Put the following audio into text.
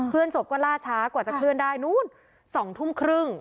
ศพก็ล่าช้ากว่าจะเคลื่อนได้นู้น๒ทุ่มครึ่ง